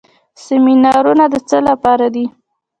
سیمینارونه د څه لپاره دي؟